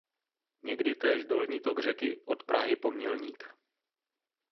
Někdy též dolní tok řeky od Prahy po Mělník.